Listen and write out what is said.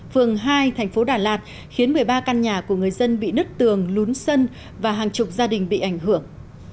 phường hai thành phố đà lạt khiến một mươi ba căn nhà của người dân bị nứt tường lún sân và hàng chục gia đình bị ảnh hưởng